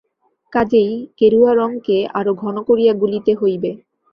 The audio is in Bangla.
কাজেই গেরুয়া রঙকে আরো ঘন করিয়া গুলিতে হইবে।